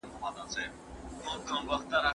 - ما نغدې ورکړي.